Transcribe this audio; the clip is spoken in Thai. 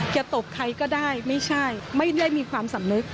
ตบใครก็ได้ไม่ใช่ไม่ได้มีความสำนึก